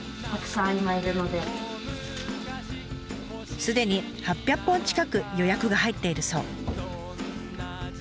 すでに８００本近く予約が入っているそう。